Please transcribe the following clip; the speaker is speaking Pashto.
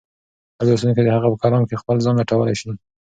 هر لوستونکی د هغه په کلام کې خپل ځان لټولی شي.